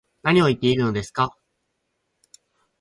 何を言ってるんですか